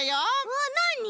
わっなに？